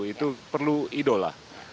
itu perlu idola